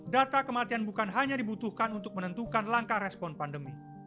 data kematian bukan hanya dibutuhkan untuk menentukan langkah respon pandemi